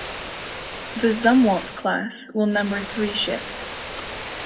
The "Zumwalt" class will number three ships.